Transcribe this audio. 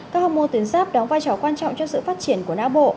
các học môn tuyến giáp đóng vai trò quan trọng cho sự phát triển của na bộ